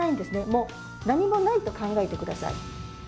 もう何もないと考えて下さい。